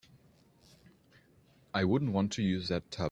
I wouldn't want to use that tub.